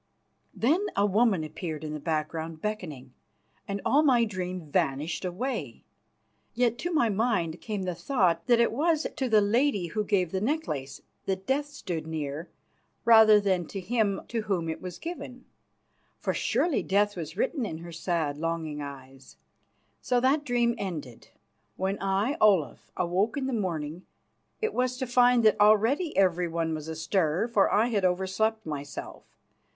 Then a woman appeared in the background beckoning, and all my dream vanished away. Yet to my mind came the thought that it was to the lady who gave the necklace that Death stood near, rather than to him to whom it was given. For surely death was written in her sad and longing eyes. So that dream ended. When I, Olaf, awoke in the morning, it was to find that already everyone was astir, for I had overslept myself.